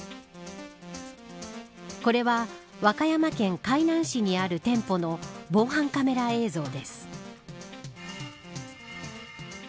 これは和歌山県海南市にある店舗の防犯カメラ映像です。